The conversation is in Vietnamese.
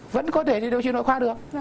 vẫn có thể điều trị nội khoa được